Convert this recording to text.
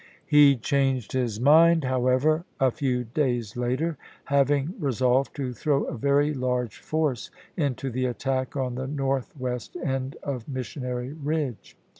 He changed his mind, however, a few days later, having resolved to throw a very large force into the attack on the northwest end of Missionary Eidge.